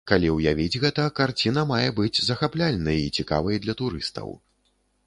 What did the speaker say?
Калі ўявіць гэта, карціна мае быць захапляльнай і цікавай для турыстаў.